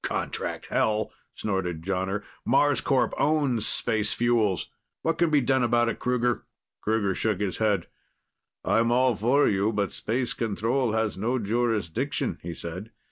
"Contract, hell!" snorted Jonner. "Marscorp owns Space Fuels. What can be done about it, Kruger?" Kruger shook his head. "I'm all for you, but Space Control has no jurisdiction," he said.